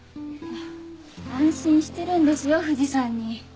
安心してるんですよ藤さんに。